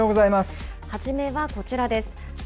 はじめはこちらです。